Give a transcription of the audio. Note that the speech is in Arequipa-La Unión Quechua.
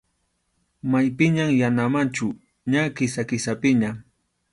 Maypiñam yana machu, ña Kisa-Kisapiña.